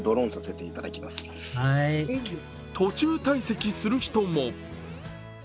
途中退席する人も。